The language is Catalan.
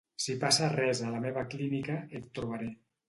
Si passa res a la meva clínica, et trobaré.